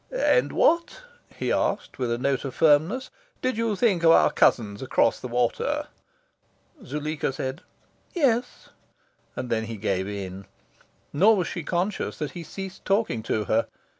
"And what," he asked, with a note of firmness, "did you think of our cousins across the water?" Zuleika said "Yes;" and then he gave in. Nor was she conscious that he ceased talking to her.